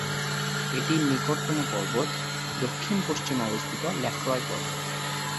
এটির নিকটতম পর্বত, দক্ষিণ পশ্চিমে অবস্থিত লেফ্রয় পর্বত।